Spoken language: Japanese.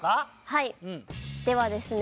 はいではですね。